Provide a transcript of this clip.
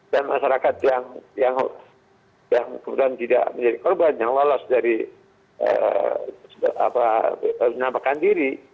dan masyarakat yang kemudian tidak menjadi korban yang lolos dari menampakkan diri